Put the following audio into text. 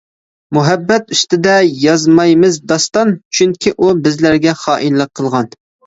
مۇھەببەت ئۈستىدە يازمايمىز داستان، چۈنكى ئۇ بىزلەرگە خائىنلىق قىلغان.